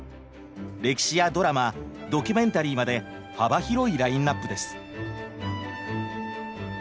歴史やドラマドキュメンタリーまで幅広いラインナップです。